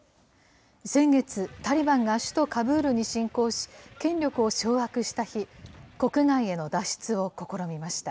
先月、タリバンが首都カブールに進攻し、権力を掌握した日、国外への脱出を試みました。